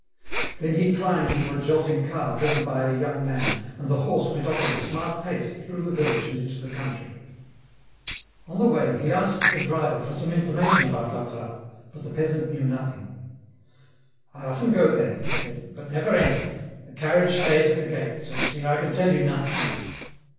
Then he climbed into a jolting car driven by a young man, and the horse went off at a smart pace through the village and into the country. On the way he asked the driver for some information about La Trappe, but the peasant knew nothing. " I often go there," he said, " but never enter, the carriage stays at the gate, so you see I can tell you nothing."